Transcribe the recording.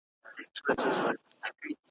د سرتورو انګولا ده د بګړیو جنازې دي ,